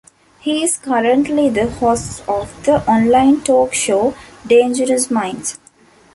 He is currently the host of the online talk show "Dangerous Minds".